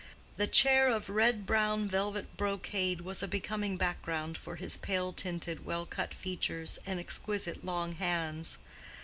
The chair of red brown velvet brocade was a becoming background for his pale tinted, well cut features and exquisite long hands.